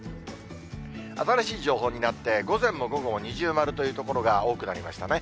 新しい情報になって、午前も午後も二重丸という所が多くなりましたね。